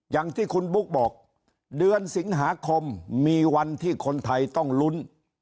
อย่างที่คุณบุ๊กบอกเดือนสิงหาคมมีวันที่คนไทยต้องลุ้น